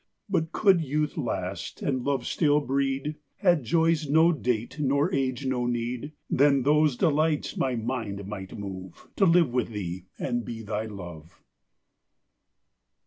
But could youth last, and love still breed; Had joys no date, nor age no need; Then those delights my mind might move, To live with thee, and be thy love.